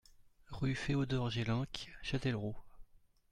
Rue Féodor Jelenc, Châtellerault